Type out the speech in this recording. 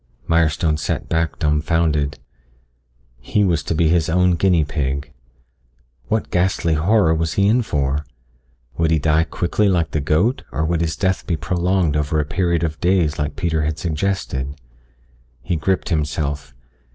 Mirestone sat back dumbfounded. He was to be his own guinea pig. What ghastly horror was he in for? Would he die quickly like the goat or would his death be prolonged over a period of days like Peter had suggested. He gripped himself.